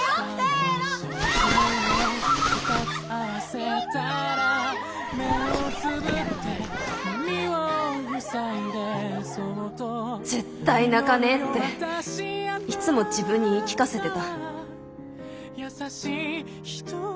心の声絶対泣かねえっていつも自分に言い聞かせてた。